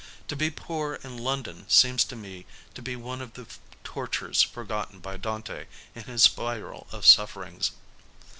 To be poor in London seems to me to be one of the tortures forgotten by Dante in his spiral of sufferings.